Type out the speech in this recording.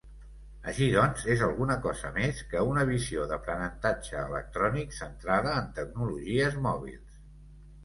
Així, doncs, és alguna cosa més que una visió d'aprenentatge electrònic centrada en tecnologies mòbils.